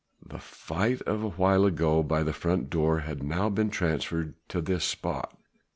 The fight of awhile ago by the front door had now been transferred to this spot.